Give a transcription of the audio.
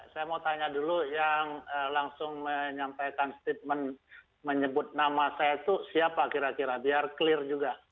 saya mau tanya dulu yang langsung menyampaikan statement menyebut nama saya itu siapa kira kira biar clear juga